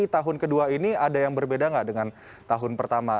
tahun kedua ini ada yang berbeda nggak dengan tahun pertama